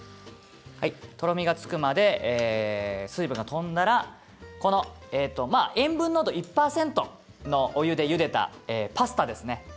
とろみがつくまで水分が飛んだらこの塩分濃度１％のお湯でゆでたパスタですね。